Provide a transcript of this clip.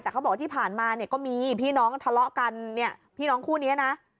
แต่เขาบอกว่าที่ผ่านมาเนี่ยก็มีพี่น้องทะเลาะกันเนี่ยพี่น้องคู่นี้นะ